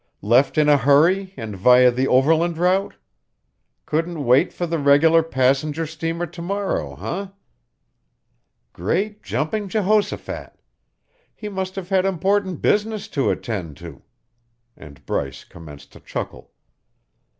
Left in a hurry and via the overland route! Couldn't wait for the regular passenger steamer to morrow, eh? Great jumping Jehoshaphat! He must have had important business to attend to." And Bryce commenced to chuckle.